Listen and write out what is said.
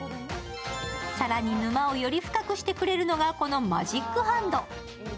更に沼をより深くしてくれるのがこのマジックハンド。